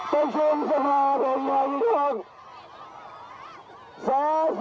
เป็นชิ้นสมาธิอย่างนี้ทุกคน